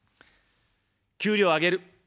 給料を上げる。